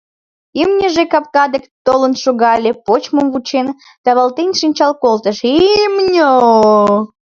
«Имньыже» капка дек толын шогале, почмым вучен, тавалтен шинчал колтыш: «Им-ньо-о-о!»